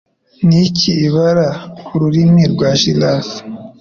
Niki Ibara Ururimi rwa Giraffes